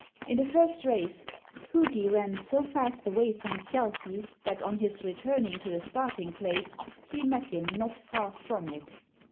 In the first race Hugi ran so fast away from Thjalfi that on his returning to the starting place he met him not far from it.